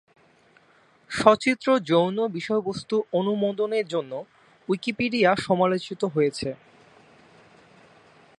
সচিত্র যৌন বিষয়বস্তু অনুমোদনের জন্য উইকিপিডিয়া সমালোচিত হয়েছে।